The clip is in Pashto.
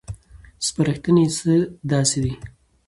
سپارښتنې یې څه داسې دي: